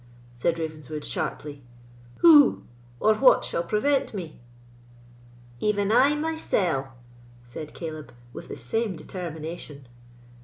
said Ravenswood, sharply; "who or what shall prevent me?" "Even I mysell," said Caleb, with the same determination.